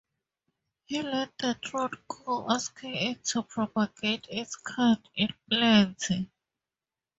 He let the trout go, asking it to propagate its kind in plenty.